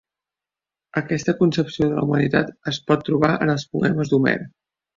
Aquesta concepció de la humanitat es pot trobar en els poemes d'Homer.